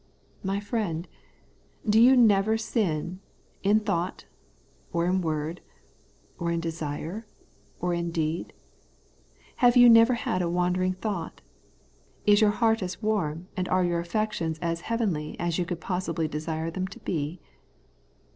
My friend, do you never sin, in thought, or in word, or in desire, or in deed ? Have you never a wandering thought % Is your heart as warm and are your affections as heavenly as you could possibly desire them to be